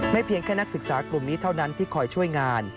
เพียงแค่นักศึกษากลุ่มนี้เท่านั้นที่คอยช่วยงาน